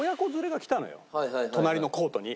隣のコートに。